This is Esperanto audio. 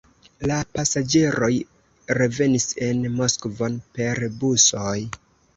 La pasaĝeroj revenis en Moskvon per busoj.